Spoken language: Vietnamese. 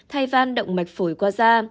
thay van động mạch phổi qua da